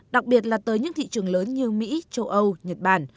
đặc biệt là tới những thị trường lớn như mỹ châu âu nhật bản